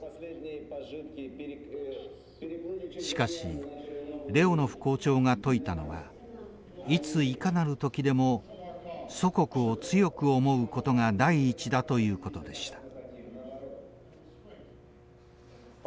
しかしレオノフ校長が説いたのはいついかなる時でも祖国を強く思うことが第一だということでした。